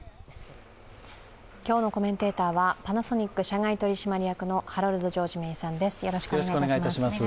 今日のコメンテーターはパナソニック社外取締役のハロルド・ジョージ・メイさんです。